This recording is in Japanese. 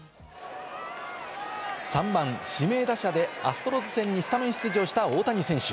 ３番・指名打者でアストロズ戦にスタメン出場した大谷選手。